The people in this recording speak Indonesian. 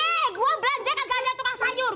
eh gua belanja ke ganda tukang sayur